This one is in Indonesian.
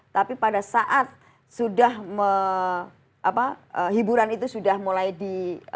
tapi pada saat sudah hiburan itu sudah mulai di